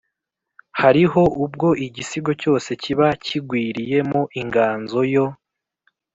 h ari ho ubwo igisigo cyose kiba kigwiriye mo inganzo yo